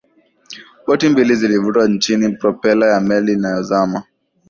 boti mbili zilivutwa chini ya propela ya meli inayozama